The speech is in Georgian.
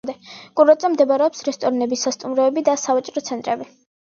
კურორტზე მდებარეობს რესტორნები, სასტუმროები და სავაჭრო ცენტრები.